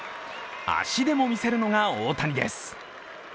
足でも見せるのが大谷です。